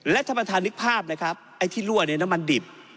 ท่านประธานนึกภาพนะครับไอ้ที่รั่วเนี่ยน้ำมันดิบ